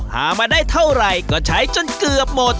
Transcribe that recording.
หามาได้เท่าไหร่ก็ใช้จนเกือบหมด